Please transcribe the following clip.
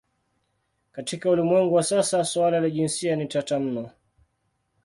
Katika ulimwengu wa sasa suala la jinsia ni tata mno.